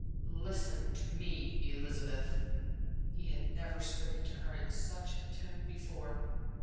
"Listen to me, Elizabeth." He had never spoken to her in such a tone before.